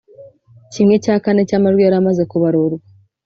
¼ cy’amajwi yari amaze kubarurwa